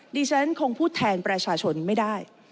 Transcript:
ดิฉันคงพูดแทนประชาชนไม่ได้